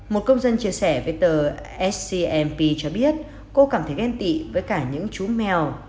một công dân chia sẻ với tờ scmp cho biết cô cảm thấy ghen tị với cả những chú mèo